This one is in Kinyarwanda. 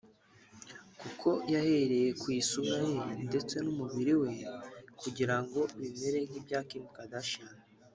kuko yahere ku isura ye ndetse n’umubiri we kugira ngo bimere nkibya Kim Kardashian